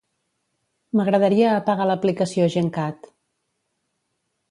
M'agradaria apagar l'aplicació Gencat.